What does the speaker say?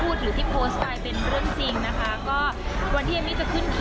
เพราะฉะนั้นการเอาเข้าเอาออกหลายครั้งมันอาจจะมีเอฟเฟกต์กับตัวเองนะคะ